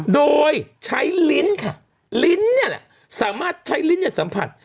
โดยใช้ลิ้นค่ะลิ้นเนี่ยแหละสามารถใช้ลิ้นเนี่ยสัมผัส